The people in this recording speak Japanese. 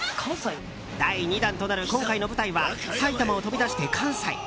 第２弾となる今回の舞台は埼玉を飛び出して関西。